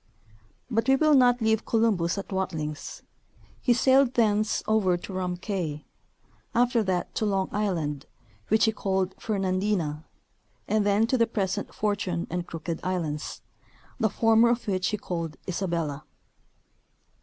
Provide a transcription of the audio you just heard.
But we will not leave Columbus at Watlings; he sailed thence over to Rum cay ; after that to Long island, which he called Fernandina, and then to the present Fortune and Crooked islands, the former of which he called Isabella.